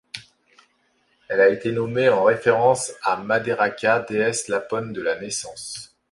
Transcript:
Elle a été nommée en référence à Madderakka, déesse lapone de la naissance.